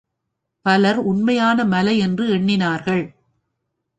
பலர் உண்மையான மலை என்று எண்ணினார்கள்.